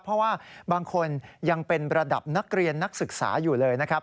เพราะว่าบางคนยังเป็นระดับนักเรียนนักศึกษาอยู่เลยนะครับ